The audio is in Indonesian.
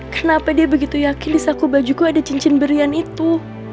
kenapa dia begitu yakin di saku bajuku ada cincin berian itu